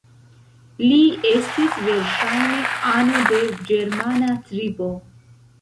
Li estis verŝajne ano de ĝermana tribo.